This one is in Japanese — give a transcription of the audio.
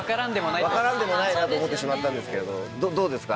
分からんでもないなと思ってしまったんですけどどうですか？